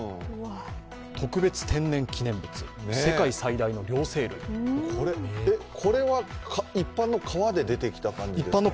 特別天然記念物、世界最大の両生類これは一般の川で出てきた感じですか？